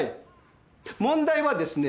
問題はですね